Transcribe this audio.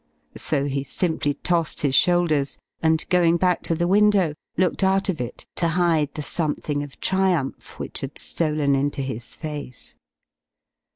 So he simply tossed his shoulders, and, going back to the window, looked out of it, to hide the something of triumph which had stolen into his face.